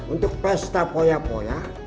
untuk pesta poya poya